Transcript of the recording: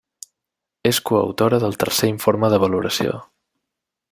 És coautora del Tercer Informe de Valoració.